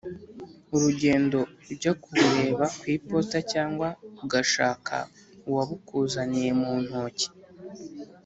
urugendo ujya kubureba ku iposita cyangwa ugashaka uwabukuzaniye mu ntoki.